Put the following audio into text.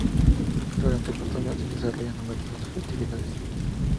Durante el otoño se desarrollan numerosas festividades.